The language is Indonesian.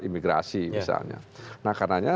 imigrasi misalnya nah karenanya